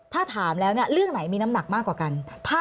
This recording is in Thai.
ถ้าถามแล้วเรื่องไหนมีน้ำหนักมากกว่ากัน